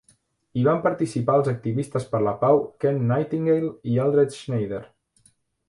Hi van participar els activistes per la pau Ken Nightingale i Eldred Schneider.